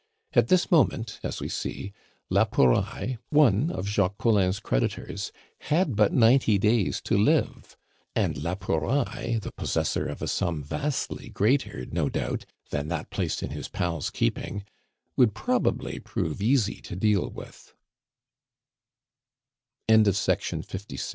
At this moment, as we see, la Pouraille, one of Jacques Collin's creditors, had but ninety days to live. And la Pouraille, the possessor of a sum vastly greater, no doubt, than that placed in his pal's keeping, would probably prove eas